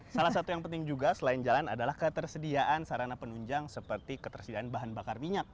salah satu yang penting juga selain jalan adalah ketersediaan sarana penunjang seperti ketersediaan bahan bakar minyak